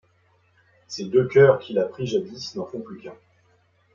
Ces deux coeurs qu'il a pris jadis n'en font plus qu'un.